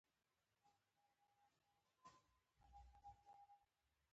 وزیر محمد اکبر خان د جامع مسجد خطیب قاري الفت،